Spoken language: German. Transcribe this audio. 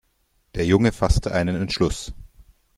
Der Junge fasste einen Entschluss.